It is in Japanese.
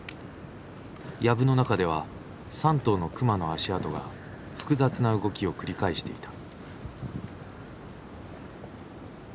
やぶの中では３頭の熊の足跡が複雑な動きを繰り返していた。